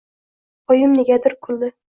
Oyim negadir kuldi.